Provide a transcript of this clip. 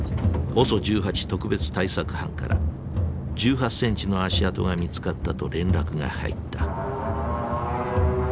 特別対策班から１８センチの足跡が見つかったと連絡が入った。